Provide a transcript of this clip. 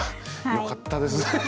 よかったです